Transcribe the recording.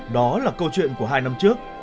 đó là câu chuyện của hai năm trước